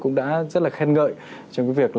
cũng đã rất là khen ngợi trong việc